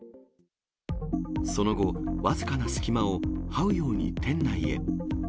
その後、僅かな隙間をはうように店内へ。